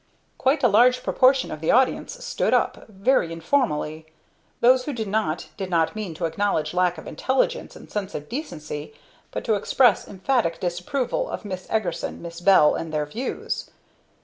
Quite a large proportion of the audience stood up very informally. Those who did not, did not mean to acknowledge lack of intelligence and sense of decency, but to express emphatic disapproval of Miss Eagerson, Miss Bell and their views.